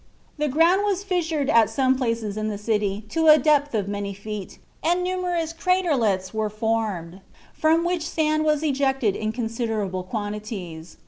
The ground was fissured at some places in the city to a depth of many feet, and numerous "craterlets" were formed, from which sand was ejected in considerable quantities.